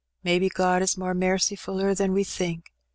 Mebbe God is more marcyfuUer than we think.